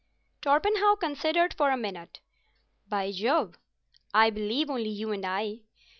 Torpenhow considered for a minute. "By Jove! I believe only you and I.